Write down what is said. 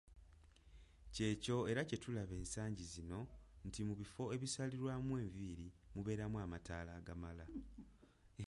Ky’ekyo era kye tulaba n’ensangi zino nti mu bifo ebisalirwamu enviiri mubeeramu amataala agamala.